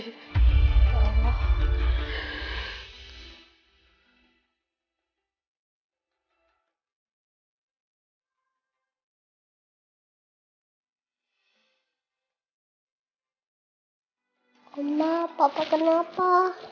mama papa kenapa